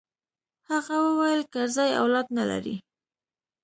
هغه وويل کرزى اولاد نه لري.